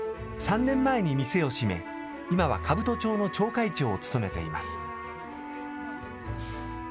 ３年前に店を閉め今は兜町の町会長を務めています。